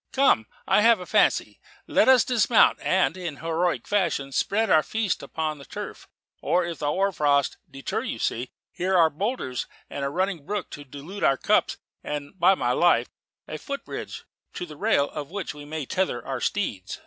Come, I have a fancy. Let us dismount, and, in heroic fashion, spread our feast upon the turf; or, if the hoar frost deter you, see, here are boulders, and a running brook to dilute our cups; and, by my life, a foot bridge, to the rail of which we may tether our steeds."